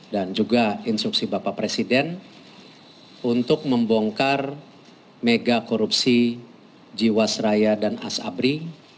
dan juga instruksi bapak presiden untuk membongkar mega korupsi jiwasraya dan asabri